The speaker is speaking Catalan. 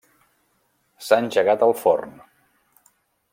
S'ha engegat el forn.